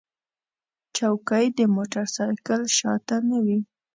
چوکۍ د موټر سایکل شا ته نه وي.